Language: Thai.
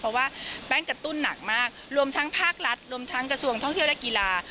เพราะว่าแป้งกระตุ้นหนักมากรวมทั้งภาครัฐรวมทั้งกระทรวงท่องเที่ยวและกีฬา